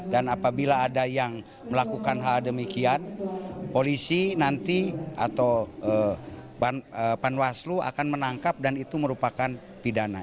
dan apabila ada yang melakukan hal demikian polisi nanti atau panwaslu akan menangkap dan itu merupakan pidana